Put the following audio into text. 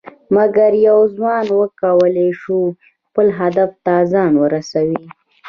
مګر یو ځوان وکړى شوى خپل هدف ته ځان ورسوي.